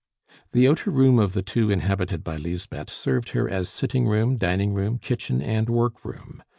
The outer room of the two inhabited by Lisbeth served her as sitting room, dining room, kitchen, and workroom.